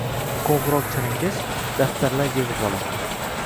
Qo`ng`iroq chalingach, daftarlar yig`ib olindi